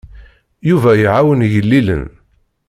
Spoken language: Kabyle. Yuba iɛawen igellilen.